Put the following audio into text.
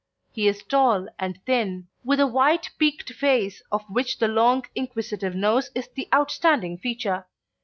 He is tall and thin, with a white peaked face of which the long inquisitive nose is the outstanding feature.